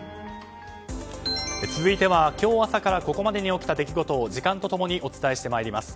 続いては今日朝からここまでに起きた出来事を時間と共にお伝えしてまいります。